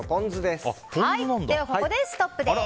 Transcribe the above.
ここでストップです。